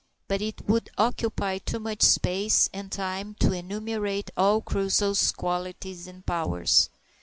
But it would occupy too much space and time to enumerate all Crusoe's qualities and powers.